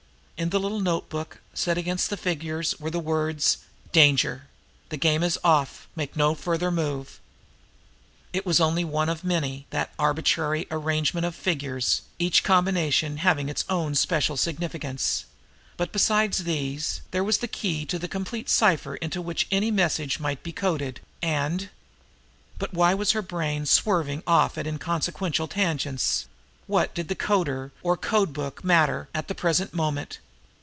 In the little notebook, set against the figures, were the words: "Danger. The game is off. Make no further move." It was only one of many, that arbitrary arrangement of figures, each combination having its own special significance; but, besides these, there was the key to a complete cipher into which any message might be coded, and But why was her brain swerving off at inconsequential tangents? What did a coder or code book, matter at the present moment?